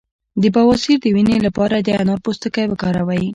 د بواسیر د وینې لپاره د انار پوستکی وکاروئ